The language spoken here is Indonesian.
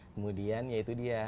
kemudian ya itu dia